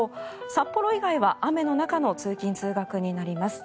札幌以外は雨の中の通勤・通学になります。